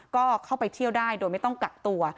ก็เข้าไปเที่ยวได้โดยไม่ต้องกักตัว